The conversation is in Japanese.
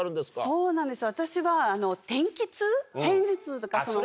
そうなんですよ。